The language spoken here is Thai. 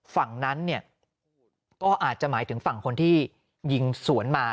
ฝั่งนั้นเนี่ยก็อาจจะหมายถึงฝั่งคนที่ยิงสวนมา